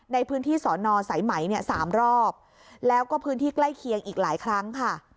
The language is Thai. ในพื้นที่สอนอสายไหมเนี่ย๓รอบแล้วก็พื้นที่ใกล้เคียงอีกหลายครั้งค่ะ